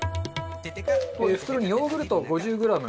袋にヨーグルトを５０グラム。